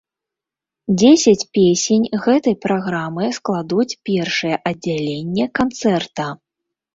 Дзесяць песень гэтай праграмы складуць першае аддзяленне канцэрта.